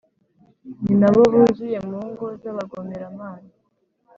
ni na bo buzuye mu ngo z’abagomeramana.